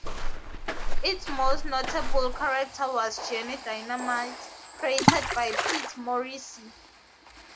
Its most notable character was Johnny Dynamite, created by Pete Morisi.